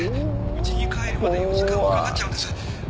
うちに帰るまで４時間はかかっちゃうんです。